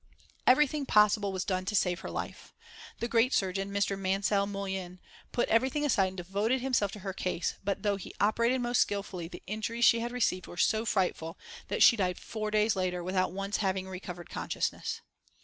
Everything possible was done to save her life. The great surgeon, Mr. Mansell Moullin, put everything aside and devoted himself to her case, but though he operated most skilfully, the injuries she had received were so frightful that she died four days later without once having recovered consciousness.